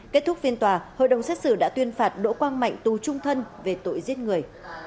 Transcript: kết thúc phiên tòa hội đồng xét xử đã tuyên phạt đỗ quang mạnh tù trung thân về tội giết người